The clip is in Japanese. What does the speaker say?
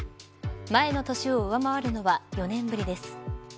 前の年を上回るのは４年ぶりです。